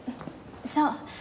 そう。